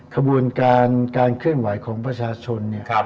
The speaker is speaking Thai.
ขบวนการการเคลื่อนไหวของประชาชนเนี่ย